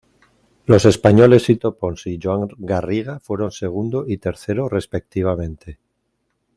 Los españoles Sito Pons y Joan Garriga fueron segundo y tercero respectivamente.